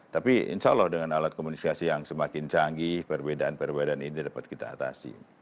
tapi insya allah dengan alat komunikasi yang semakin canggih perbedaan perbedaan ini dapat kita atasi